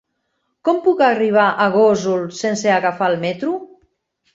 Com puc arribar a Gósol sense agafar el metro?